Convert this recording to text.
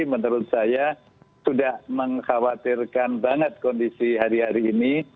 menurut saya sudah mengkhawatirkan banget kondisi hari hari ini